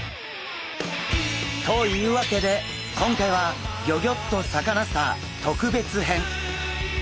というわけで今回は「ギョギョッとサカナ★スター」特別編。